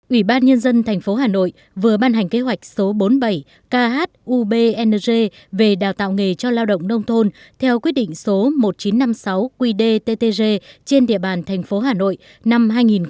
ủy ban nhân dân tp hà nội vừa ban hành kế hoạch số bốn mươi bảy khubng về đào tạo nghề cho lao động nông thôn theo quyết định số một nghìn chín trăm năm mươi sáu qdttg trên địa bàn thành phố hà nội năm hai nghìn một mươi chín